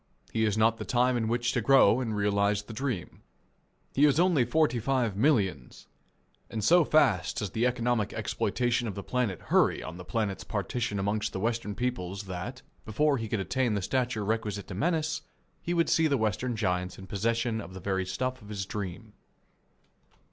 He has not the time in which to grow and realize the dream. He is only forty five millions, and so fast does the economic exploitation of the planet hurry on the planet's partition amongst the Western peoples that, before he could attain the stature requisite to menace, he would see the Western giants in possession of the very stuff of his dream.